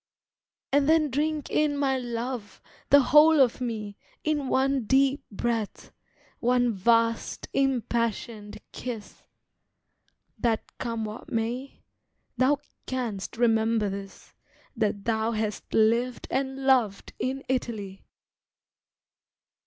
And then drink in my love; the whole of me, In one deep breath, one vast impassioned kiss, That come what may, thou canst remember this: That thou hast lived and loved in Italy.